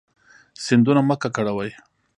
سیندونه مه ککړوئ